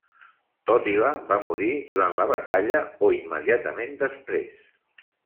Tòtila va morir durant la batalla o immediatament després.